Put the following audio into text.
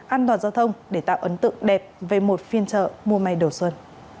an toàn giao thông để tạo ấn tượng đẹp về một phiên chợ mua may đầu xuân